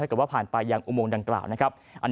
ถ้าเกิดว่าผ่านไปยังอุโมงดังกล่าวนะครับ